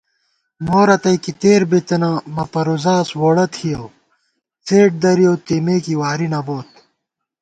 مو رتئ کی تېر بِتَنہ مہ پروزاس ووڑہ تھِیَؤ څېڈ درِیَؤ تېمے کی واری نہ بوت